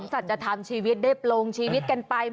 สัจธรรมชีวิตได้โปรงชีวิตกันไป